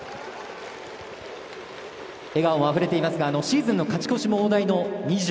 笑顔もあふれていますがシーズンの勝ち越しも大台の２０。